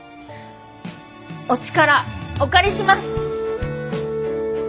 お力お借りします！